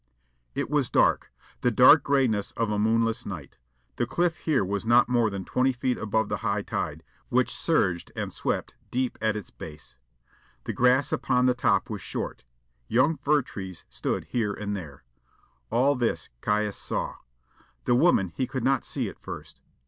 It was dark, the dark grayness of a moonless night. The cliff here was not more than twenty feet above the high tide, which surged and swept deep at its base. The grass upon the top was short; young fir trees stood here and there. All this Caius saw. The woman he could not see at first.